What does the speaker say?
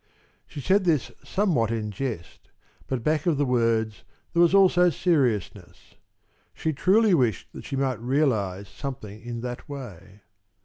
She said this somewhat in jest, but back of the words there was also seriousness. She truly wished that she might realize something in that way.